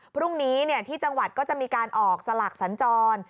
พรุ่งนี้ที่จังหวัดก็จะมีการออกสลักสัญจร